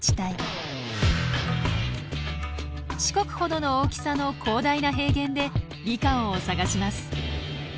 四国ほどの大きさの広大な平原でリカオンを探します。